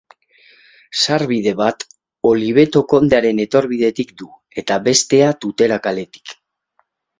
Sarbide bat Oliveto kondearen etorbidetik du eta bestea Tutera kaletik.